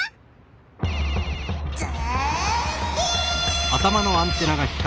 ズビ！